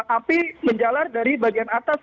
api menjalar dari bagian atas